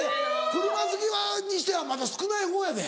車好きにしてはまだ少ない方やで。